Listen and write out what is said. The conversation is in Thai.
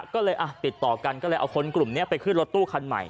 ก็เลยติดต่อกันก็เลยเอาคนกลุ่มนี้ไปขึ้นรถตู้คันใหม่